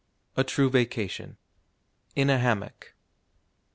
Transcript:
A TRUE VACATION. IN A HAMMOCK.